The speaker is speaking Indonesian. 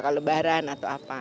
kalau lebaran atau apa